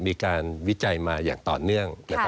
วิจัยมาอย่างต่อเนื่อง